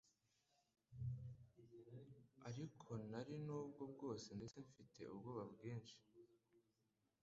ariko nari nubwo byose ndetse mfite ubwoba bwinshi